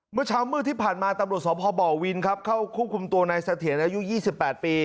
เมื่อเช้ามืดที่ผ่านมาตำรวจสพบวินครับเข้าควบคุมตัวนายเสถียรอายุ๒๘ปี